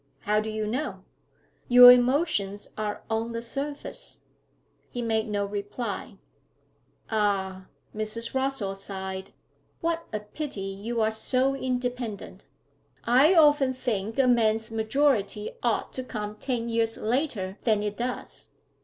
'How do you know?' 'Your emotions are on the surface.' He made no reply. 'Ah!' Mrs. Rossall sighed, 'what a pity you are so independent. I often think a man's majority ought to come ten years later than it does.